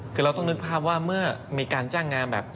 คือเราต้องนึกภาพว่าเมื่อมีการจ้างงานแบบ